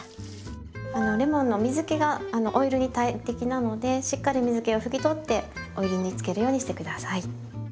レモンの水けがオイルに大敵なのでしっかり水気をふき取ってオイルに漬けるようにして下さい。